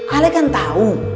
alen kan tahu